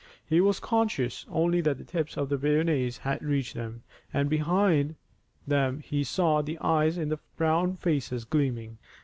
He was conscious only that the tips of the bayonets had reached them, and behind them he saw the eyes in the brown faces gleaming.